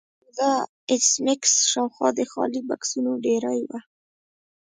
او د ایس میکس شاوخوا د خالي بکسونو ډیرۍ وه